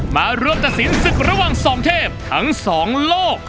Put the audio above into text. มารวมตัดสินศึกระหว่างสองเทพทั้งสองโลก